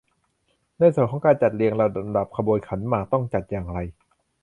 ในส่วนของการจัดเรียงลำดับขบวนขันหมากต้องจัดอย่างไร